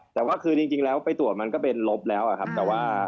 แต่ว่าคือจริงแล้วไปตรวจมันก็เป็นลบแล้วครับแต่ว่า